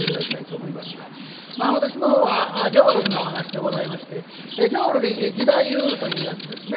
私の方は浄瑠璃のお噺でございまして浄瑠璃義太夫というやつですね。